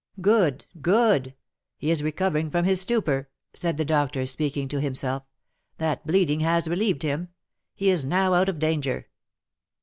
"Good! good! he is recovering from his stupor," said the doctor, speaking to himself. "That bleeding has relieved him; he is now out of danger."